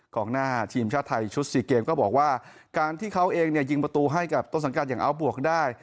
หน้าทีมชาติไทยชุด๔เกมก็บอกว่าการที่เขาเองเนี่ยยิงประตูให้กับต้นสังกัดอย่างอัลบวกได้